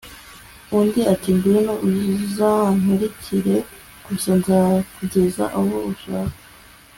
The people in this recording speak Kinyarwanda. undi ati 'ngwino uzankurikire gusa, nzakugeza aho ushaka